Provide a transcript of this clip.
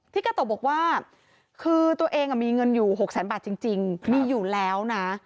กาโตะบอกว่าคือตัวเองมีเงินอยู่๖แสนบาทจริงมีอยู่แล้วนะ